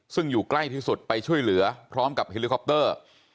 ซึ่งอยู่ใกล้ที่สุดไปช่วยเหลือพร้อมกับเฮลิคอปเตอร์